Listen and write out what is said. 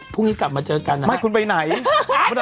พรุ่งนี้กลับมาเจอกันไม่คุณไปไหน